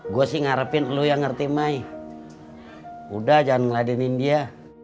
gue sih ngarepin lu yang ngerti my udah jangan ngeladinin dia